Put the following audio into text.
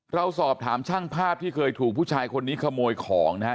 เราสอบถามช่างภาพที่เคยถูกผู้ชายคนนี้ขโมยของนะฮะ